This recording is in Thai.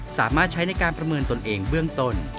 สามารถใช้ในการประเมินตนเองเบื้องต้น